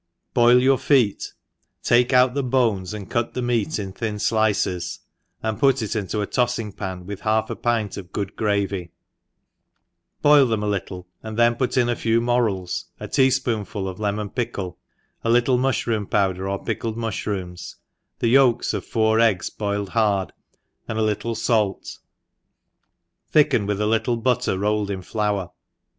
BOIL your feet, take out the bones and cot the meat ip thin ilices; and put it into a tolling pan, with half a pint of good gravy, boil them » alittrc, and then put in a few nlOfels, a tea fpoonful of lemon pickle, a little mu/hroom powder, c r pickled mufhrooms, the yolks of four eggs boiled hard, and a little fait, thicken ivith a little butter rolled in flour, m?